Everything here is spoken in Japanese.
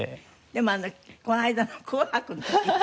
でもこの間の『紅白』の時に。